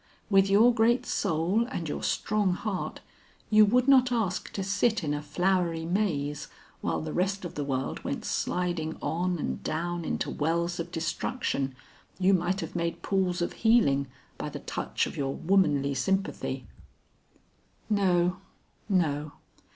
With your great soul and your strong heart, you would not ask to sit in a flowery maze, while the rest of the world went sliding on and down into wells of destruction, you might have made pools of healing by the touch of your womanly sympathy." "No, no."